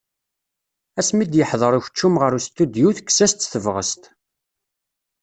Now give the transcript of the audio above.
Asmi d-yeḥḍeṛ ukeččum γer ustudyu tekkes-as-tt tebγest.